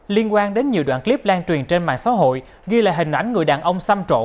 liên quan đến nhiều đoạn clip lan truyền trên mạng xã hội ghi lại hình ảnh người đàn ông xăm trộn